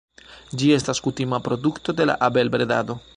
Ĝi estas kutima produkto de la abelbredado.